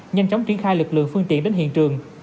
nhanh chóng triển khai lực lượng phương tiện đến hiện trường